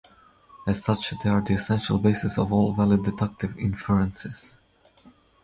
As such, they are the essential basis of all valid deductive inferences.